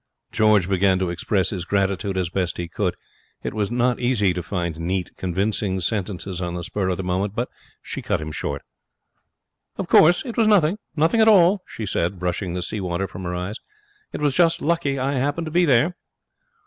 George began to express his gratitude as best he could it was not easy to find neat, convincing sentences on the spur of the moment but she cut him short. 'Of course, it was nothing. Nothing at all,' she said, brushing the sea water from her eyes. 'It was just lucky I happened to be there.'